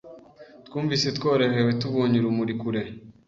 Twumvise tworohewe tubonye urumuri kure.